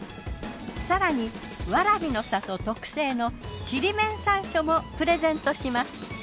更にわらびの里特製のちりめん山椒もプレゼントします。